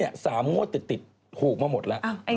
๓งวดติดถูกมาหมดแล้ว